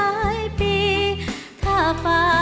เมื่อหน้ากลับมา